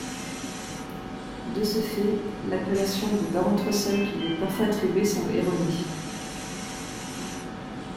De ce fait, l'appellation de baron Trussell qui lui est parfois attribuée semble erronée.